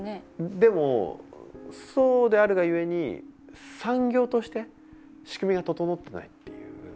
でもそうであるがゆえに産業として仕組みが整ってないっていう。